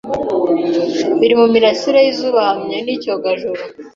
biri mumirasire yizubahamwe nicyogajuru